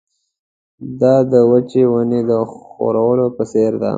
دا د وچې ونې د ښورولو په څېر ده.